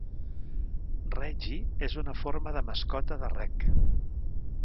"Reggie" és una forma de mascota de "Reg".